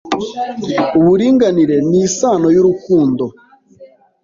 Uburinganire ni isano y'urukundo.